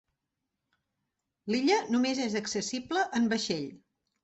L'illa només és accessible en vaixell.